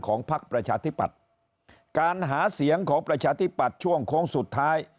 ของภัคดิ์ประชาธิบัติการหาเสียงของประชาธิบัติช่วงของสุดท้าย